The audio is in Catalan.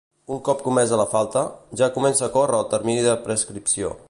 Un cop comesa la falta, ja comença a córrer el termini de prescripció.